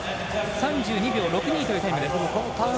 ３２秒６２というタイム。